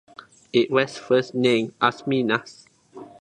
It was first named as Minas.